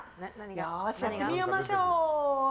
よーし、やってみましょう。